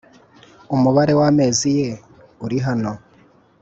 Umubare w amezi ye uri hano